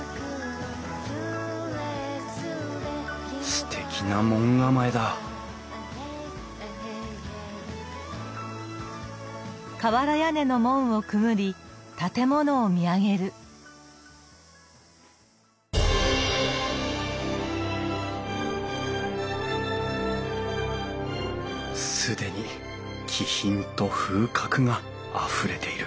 すてきな門構えだ既に気品と風格があふれている。